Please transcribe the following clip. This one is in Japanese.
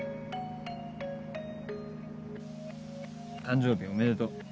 誕生日おめでとう